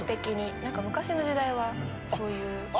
何か昔の時代はそういう。